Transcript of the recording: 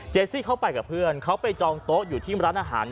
ซี่เขาไปกับเพื่อนเขาไปจองโต๊ะอยู่ที่ร้านอาหาร